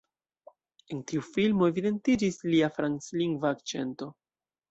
En tiu filmo evidentiĝis lia franclingva akĉento.